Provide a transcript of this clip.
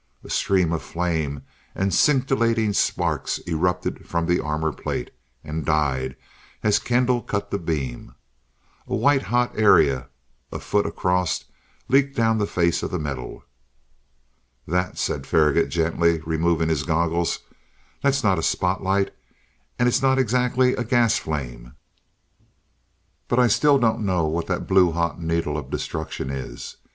A stream of flame and scintillating sparks erupted from the armor plate and died as Kendall cut the beam. A white hot area a foot across leaked down the face of the metal. "That," said Faragaut gently, removing his goggles. "That's not a spotlight, and it's not exactly a gas flame. But I still don't know what that blue hot needle of destruction is.